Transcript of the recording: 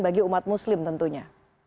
bagi umat muslim tentunya